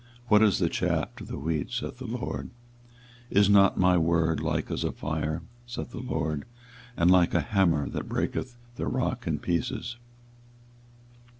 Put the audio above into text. What is the chaff to the wheat? saith the LORD. 24:023:029 Is not my word like as a fire? saith the LORD; and like a hammer that breaketh the rock in pieces?